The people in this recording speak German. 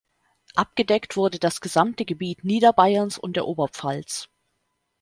Abgedeckt wurde das gesamte Gebiet Niederbayerns und der Oberpfalz.